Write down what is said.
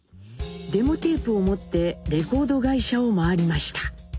デモテープを持ってレコード会社を回りました。